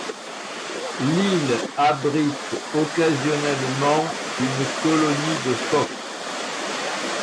L'île abrite occasionnellement une colonie de phoques.